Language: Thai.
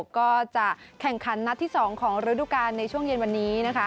ก็จะแข่งขันนัดที่๒ของฤดูกาลในช่วงเย็นวันนี้